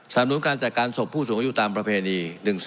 นุนการจัดการศพผู้สูงอายุตามประเพณี๑๔